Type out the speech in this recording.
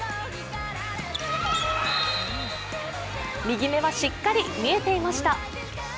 右目はしっかりと見えていました。